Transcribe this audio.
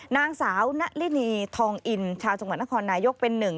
นางสาวณลินีทองอินชาวจังหวัดนครนายกเป็นหนึ่ง